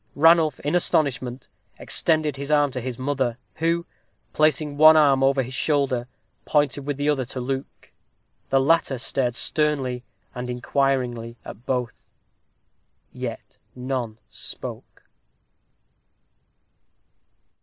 Ranulph, in astonishment, extended his arm to his mother, who, placing one arm over his shoulder, pointed with the other to Luke; the latter stared sternly and inquiringly at both yet none spoke.